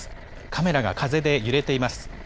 カメラが風で揺れています。